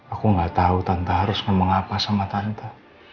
aku gak tau tante harus ngomong apa sama tante